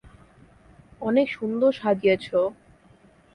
অনেক সুন্দর সাজিয়েছ।